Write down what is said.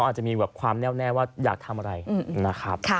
อาจจะมีแบบความแน่วแน่ว่าอยากทำอะไรนะครับ